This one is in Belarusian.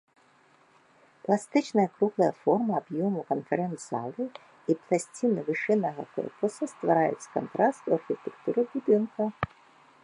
Пластычная круглая форма аб'ёму канферэнц-залы і пласціны вышыннага корпуса ствараюць кантраст у архітэктуры будынка.